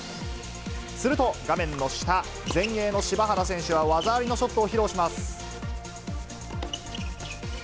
すると、画面の下、前衛の柴原選手は技ありのショットを披露します。